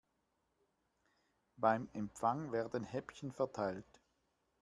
Beim Empfang werden Häppchen verteilt.